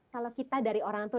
kalau kita dari orang tua